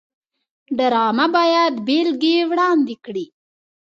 ډرامه باید بېلګې وړاندې کړي